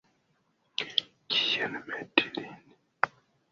Kien meti lin?